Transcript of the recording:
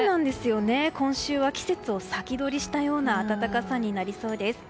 今週は季節を先取りしたような暖かさになりそうです。